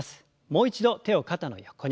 もう一度手を肩の横に。